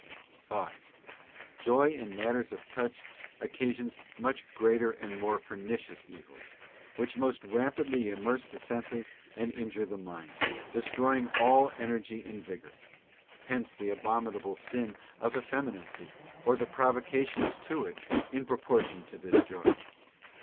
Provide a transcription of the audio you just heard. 5. Joy in matters of touch occasions much greater and more pernicious evils, which most rapidly immerse the senses and injure the mind, destroying all energy and vigour. Hence the abominable sin of effeminacy, or the provocations to it, in proportion to this joy.